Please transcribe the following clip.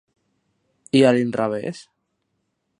I a l'inrevés?